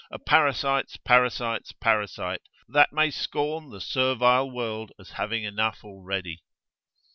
a parasite's parasite's parasite, that may scorn the servile world as having enough already.